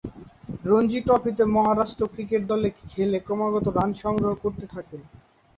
রঞ্জী ট্রফিতে মহারাষ্ট্র ক্রিকেট দলে খেলে ক্রমাগত রান সংগ্রহ করতে থাকেন।